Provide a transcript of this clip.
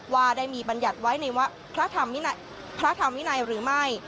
ว่าได้มีบรรยัติไว้ในพระธรรมวินัยหรือไม่